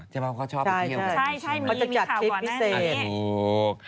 ใช่มันจะจัดคลิปพิเศษลูก